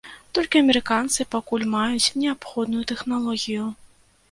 Толькі амерыканцы пакуль маюць неабходную тэхналогію.